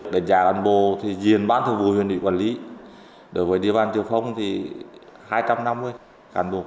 đánh giá cán bộ thì diện bán thường vụ huyền vị quản lý đối với địa bàn trường phong thì hai trăm năm mươi cán bộ